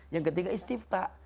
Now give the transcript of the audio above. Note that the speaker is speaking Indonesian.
yang ketiga istiftah